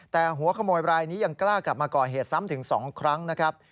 แต่หัวขโมยรายนี้ยังกล้ากลับมาก่อเหตุซ้ำถึง๒ครั้งนะครับ